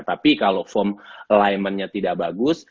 tapi kalau form alignmentnya tidak bagus